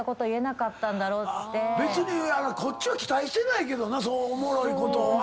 別にこっちは期待してないけどなそうおもろいことは。